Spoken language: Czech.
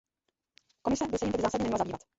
Komise by se jím tedy zásadně neměla zabývat.